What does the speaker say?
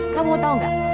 kamu tau gak